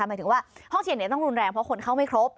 หมายถึงว่าห้องเชียงต้องรุนแรงเพราะคนเข้าไม่ครบ